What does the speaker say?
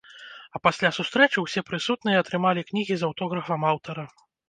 А пасля сустрэчы ўсе прысутныя атрымалі кнігі з аўтографам аўтара.